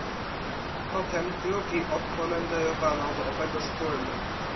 "Potem drugi odkomenderowano do owego szturmu."